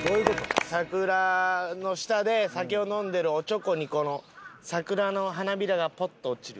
桜の下で酒を飲んでるおちょこにこの桜の花びらがポッと落ちる。